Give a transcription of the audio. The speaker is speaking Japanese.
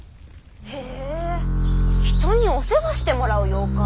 へぇ人にお世話してもらう妖怪？